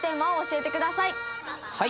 はい。